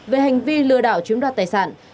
về hành vi lừa đảo chiếm đoạt tài sản